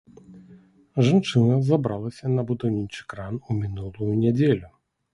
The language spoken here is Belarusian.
Жанчына забралася на будаўнічы кран у мінулую нядзелю.